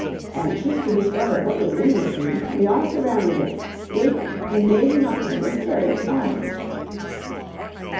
Anxious to discover what was in the tree, we all surrounded it, gaping and gazing upward with curious eyes.